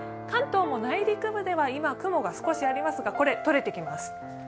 関東も内陸部では今、雲が少しありますがこれ、取れてきます。